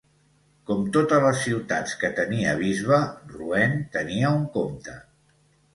Com totes les ciutats que tenia bisbe, Rouen tenia un comte.